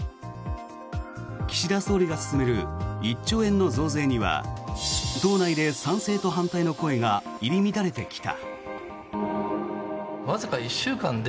岸田総理が進める１兆円の増税には党内で賛成と反対の声が入り乱れてきた。